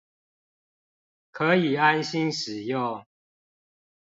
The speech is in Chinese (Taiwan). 可以安心使用